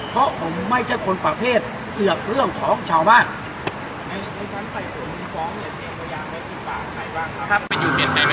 เพราะผมไม่ใช่คนประเภทเสือกเรื่องของชาวบ้านในสถานการณ์ไข่ส่วนที่ฟ้องเนี้ย